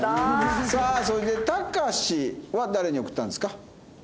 さあそれでたかしは誰に送ったんですか？